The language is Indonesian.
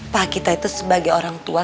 pak kita itu sebagai orang tua